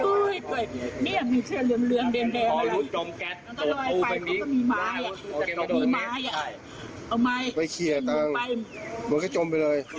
โอ้เห็นใจมากเลยนะครับ